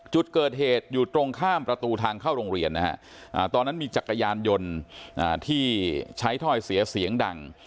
จุดเกิดเหตุอยู่ตรงข้ามประตูทางเข้าโรงเรียนนะฮะตอนนั้นมีจักรยานยนต์ที่ใช้ถ้อยเสียเสียงดัง